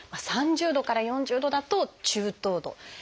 ３０度から４０度だと「中等度」。